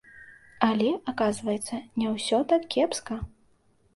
Але, аказваецца, не ўсё так кепска.